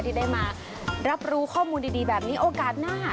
ที่ได้มารับรู้ข้อมูลดีแบบนี้โอกาสหน้า